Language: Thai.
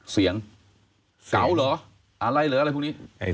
เสียงเก๋าเหรออะไรเหรออะไรพวกนี้